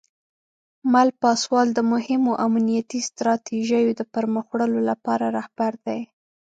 مل پاسوال د مهمو امنیتي ستراتیژیو د پرمخ وړلو لپاره رهبر دی.